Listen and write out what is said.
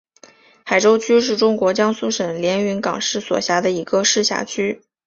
海州区是中国江苏省连云港市所辖的一个市辖区。